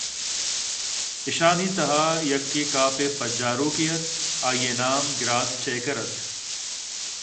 ایشانی تہا یکے کاف ءِ پجّاروکے اَت آئی ءِ نام گراسٹکیرGerstackerاَت